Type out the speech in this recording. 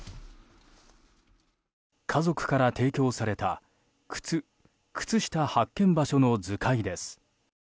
家族から提供された靴、靴下発見場所の図解です。